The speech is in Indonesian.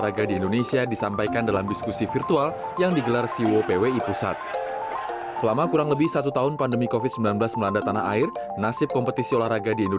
tadi di istana saya sudah ketemu kapolri